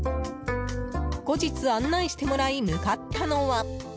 後日、案内してもらい向かったのは。